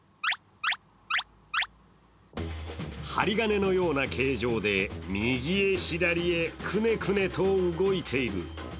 針金のような形状で右へ左へくねくねと動いている。